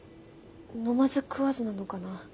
飲まず食わずなのかな？